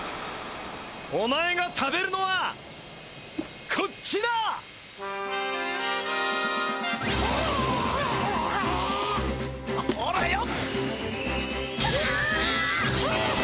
お前が食べるのはこっちだ！ほらよ！